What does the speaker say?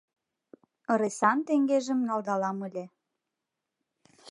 Ыресан теҥгежым налдалам ыле -